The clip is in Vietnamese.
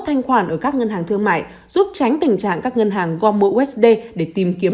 thanh khoản ở các ngân hàng thương mại giúp tránh tình trạng các ngân hàng gom mẫu usd để tìm kiếm